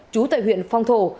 trú tại huyện phong thổ